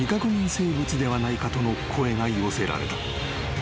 生物ではないかとの声が寄せられた］